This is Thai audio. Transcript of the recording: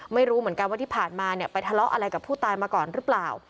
ไม่รู้เหมือนกันว่าที่ผ่านมาเนี่ยไปทะเลาะอะไรกับผู้ตายมาก่อนหรือเปล่า